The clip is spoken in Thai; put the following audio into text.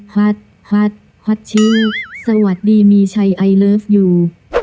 หวัดหวัดหวัดชิ้นสวัสดีมีชัยไอเลิฟยู